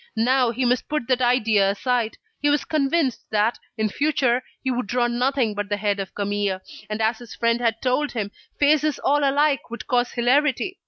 Now, he must put that idea aside; he was convinced that, in future, he would draw nothing but the head of Camille, and as his friend had told him, faces all alike would cause hilarity.